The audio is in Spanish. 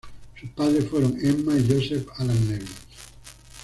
Sus padres fueron Emma y Joseph Allan Nevins.